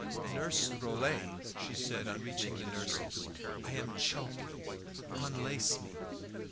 "Nurse Rollet," she said on reaching the nurse's, "I am choking; unlace me!"